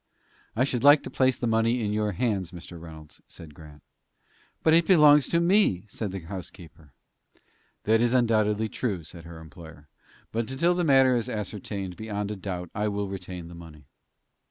"I should like to place the money in your hands, Mr. Reynolds," said Grant. "But it belongs to me," said the housekeeper. "That is undoubtedly true," said her employer; "but till the matter is ascertained beyond a doubt I will retain the money."